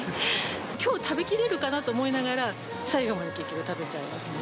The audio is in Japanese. きょう、食べきれるかなと思いながら、最後まで結局食べちゃいますね。